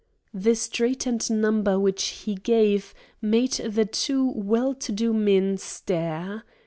The street and number which he gave made the two well to do men stare.